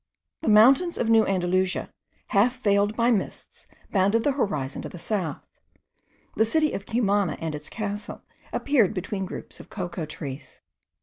The mountains of New Andalusia, half veiled by mists, bounded the horizon to the south. The city of Cumana and its castle appeared between groups of cocoa trees.